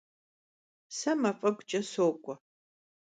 Se maf'eguç'e sok'ue.